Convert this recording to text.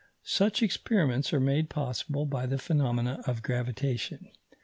Such experiments are made possible by the phenomena of gravitation.